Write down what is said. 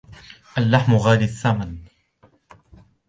اللحم غالي الثمن.